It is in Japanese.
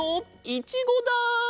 いちごだ！